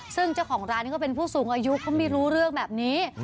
ซึ่งเจ้าของร้านก็เป็นผู้สูงอายุเขาไม่รู้เรื่องแบบนี้